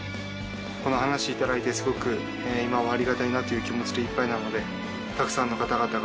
この話頂いてすごく今はありがたいなという気持ちでいっぱいなので。